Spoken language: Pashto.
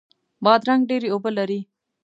بادرنګ ډیرې اوبه لري.